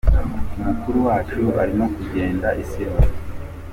Umukuru wacu arimo kugenda isi yose.